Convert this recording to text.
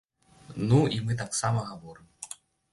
Ну і мы таксама гаворым.